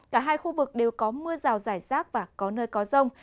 cả hai khu vực đều có mưa rào rải rác và có nơi có rông